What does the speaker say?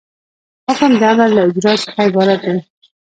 حکم د امر له اجرا څخه عبارت دی.